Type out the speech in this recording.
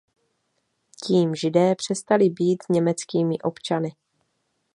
Tím Židé přestali být německými občany.